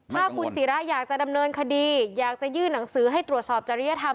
ถ้าคุณศิราอยากจะดำเนินคดีอยากจะยื่นหนังสือให้ตรวจสอบจริยธรรม